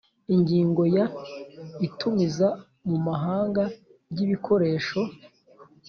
Ingingo ya Itumiza mu mahanga ry’ ibikoresho